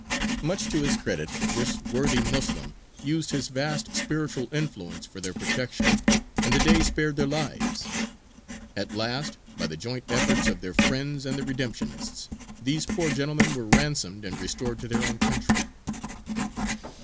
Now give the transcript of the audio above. Much to his credit, this worthy Moslem used his vast spiritual influence for their protection, and the Dey spared their lives. At last, by the joint efforts of their friends and the Redemptionists, these poor gentlemen were ransomed and restored to their own country.